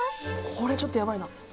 これちょっとヤバいな。